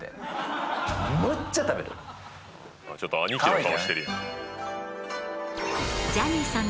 ちょっと兄貴の顔してるやん。